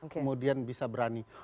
kemudian bisa berani